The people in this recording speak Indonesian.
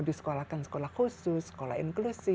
disekolahkan sekolah khusus sekolah inklusi